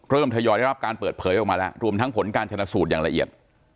ทยอยได้รับการเปิดเผยออกมาแล้วรวมทั้งผลการชนะสูตรอย่างละเอียด